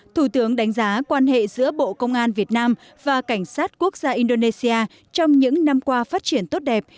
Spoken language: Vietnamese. thủ tướng đánh giá quan hệ giữa bộ công an việt nam và cảnh sát quốc gia indonesia trong những năm qua phát triển tốt đẹp